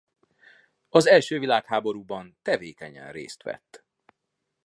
Az első világháborúban tevékenyen részt vett.